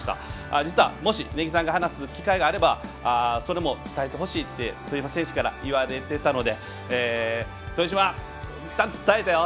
実は根木さんが話す機会があればそれも伝えてほしいって豊島選手から言われていたので豊島、伝えたよ！